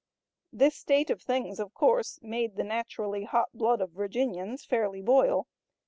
This state of things of course made the naturally hot blood of Virginians fairly boil.